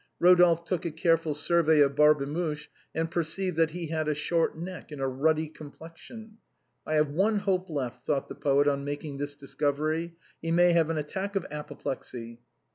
Eodolphe took a careful survey of Barbemuche, and perceived that he had a short neck and a ruddy complexion. *' I have one hope left," thought the poet, on making this discovery. " He may have an attack of apoplexy."